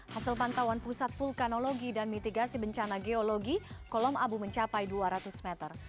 hasil pantauan pusat vulkanologi dan mitigasi bencana geologi kolom abu mencapai dua ratus meter